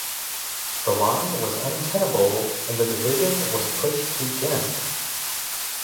The line was untenable and the Division was pushed to Ghent.